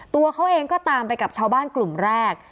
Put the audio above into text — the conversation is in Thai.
ตัวเขาเองก็ตามไปกับชาวบ้านกลุ่มแรก